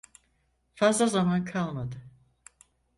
Fazla zaman kalmadı.